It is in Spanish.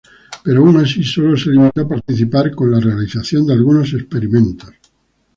Pero aun así solo se limitó a participar con la realización de algunos experimentos.